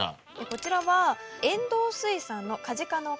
こちらは。